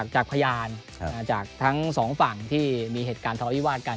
จากพยานจากทั้งสองฝั่งที่มีเหตุการณ์ทะเลาวิวาสกัน